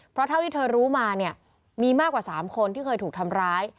เพราะเท่าที่เธอรู้มาเนี่ยมีมากกว่า๓คนที่เคยถูกทำร้าย